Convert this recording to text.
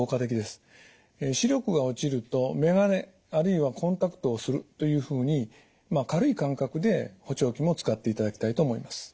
視力が落ちると眼鏡あるいはコンタクトをするというふうに軽い感覚で補聴器も使っていただきたいと思います。